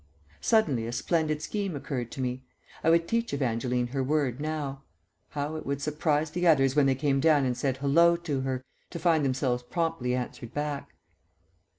Suddenly a splendid scheme occurred to me. I would teach Evangeline her word now. How it would surprise the others when they came down and said "Hallo" to her, to find themselves promptly answered back!